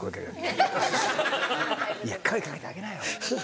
「いや声かけてあげなよ」。